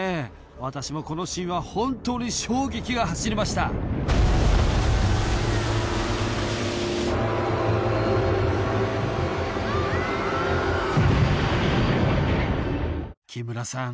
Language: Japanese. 私もこのシーンは本当に衝撃が走りました木村さん